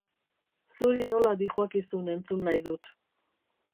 Zuri nola dihoakizun entzun nahi dut.